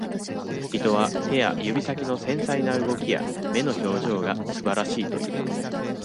人は、手や指先の繊細な動きや、目の表情がすばらしいという。